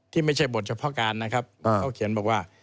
ไม่ใช่บทเฉพาะการนะครับเขาเขียนบอกว่า